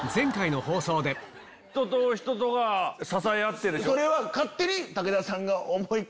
人と人とが支え合ってでしょ？